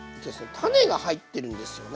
種が入ってるんですよね。